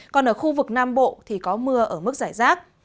còn ở khu vực nam bộ thì có mưa ở mức giải rác